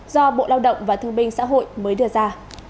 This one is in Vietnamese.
do bộ lao động và thương binh xã hội mới đưa ra